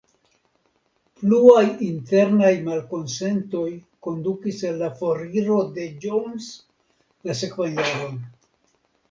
Pluaj internaj malkonsentoj kondukis al la foriro de Jones la sekvan jaron.